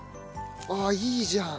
ああいいじゃん。